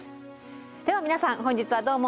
では皆さん本日はどうも。